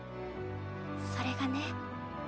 それがね